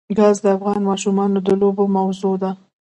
ګاز د افغان ماشومانو د لوبو موضوع ده.